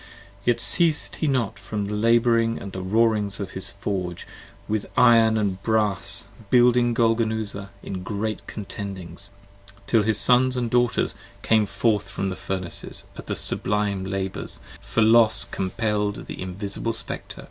Yet ceas'd he not from labouring at the roarings of his Forge With iron & brass Building Golgonooza in great contendings, Till his Sons & Daughters came forth from the Furnaces 65 At the sublime Labours, for Los compell'd the invisible Spectre p.